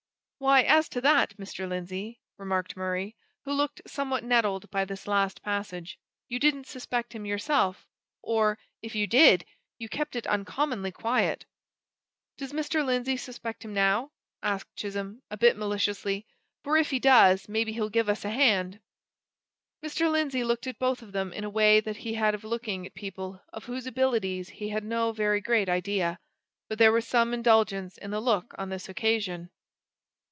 "Why, as to that, Mr. Lindsey," remarked Murray, who looked somewhat nettled by this last passage, "you didn't suspect him yourself or, if you did, you kept it uncommonly quiet!" "Does Mr. Lindsey suspect him now?" asked Chisholm, a bit maliciously. "For if he does, maybe he'll give us a hand." Mr. Lindsey looked at both of them in a way that he had of looking at people of whose abilities he had no very great idea but there was some indulgence in the look on this occasion.